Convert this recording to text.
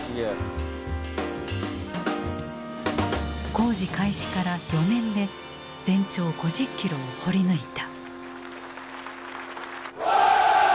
工事開始から４年で全長５０キロを掘り抜いた。